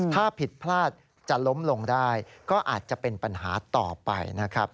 ถ้าผิดพลาดจะล้มลงได้ก็อาจจะเป็นปัญหาต่อไปนะครับ